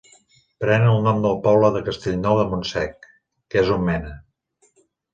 Pren el nom del poble de Castellnou de Montsec, que és on mena.